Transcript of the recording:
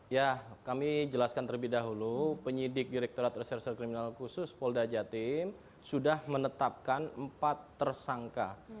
ya kami jelaskan terlebih dahulu penyidik direkturat reserse kriminal khusus polda jatim sudah menetapkan empat tersangka